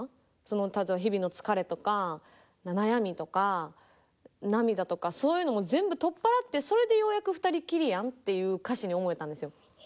例えば日々の疲れとか悩みとか涙とかそういうのも全部取っ払ってそれでようやく二人きりやんっていう歌詞に思えたんですよ。